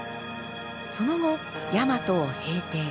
その後やまとを平定。